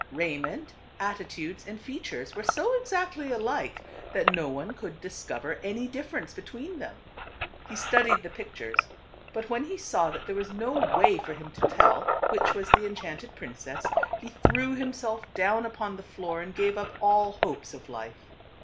Raiment, atti tudes and features were so exactly alike, that no one could discover any difference between them. He studied the pictures ; but when he saw that there was no way for him to tell which was the enchanted princess, he threw himself down upon the floor and gave up all hopes of life.